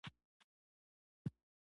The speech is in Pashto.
څه دې راوړل؟